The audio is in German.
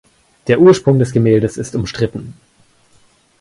Der Ursprung des Gemäldes ist umstritten.